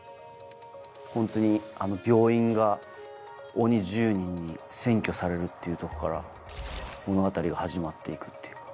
ホントに病院が鬼１０人に占拠されるっていうとこから物語が始まっていくっていう。